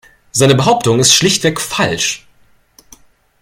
Seine Behauptung ist schlichtweg falsch.